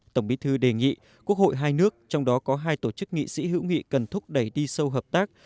tổng bí thư đề nghị quốc hội hai nước trong đó có hai tổ chức nghị sĩ hữu nghị cần thúc đẩy đi sâu hợp tác